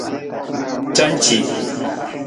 Canci.